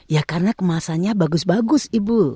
ya karena kemasannya bagus bagus ibu